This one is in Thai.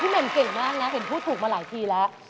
แหม่มเก่งมากนะเห็นพูดถูกมาหลายทีแล้ว